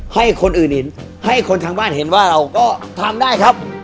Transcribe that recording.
ให้คนอื่นเห็นให้คนทางบ้านเห็นว่าเราก็ทำได้ครับ